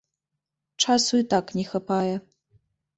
Часу і так не хапае.